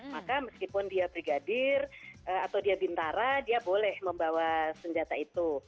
maka meskipun dia brigadir atau dia bintara dia boleh membawa senjata itu